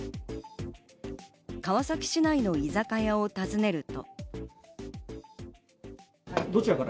川崎市内の居酒屋をたずねると。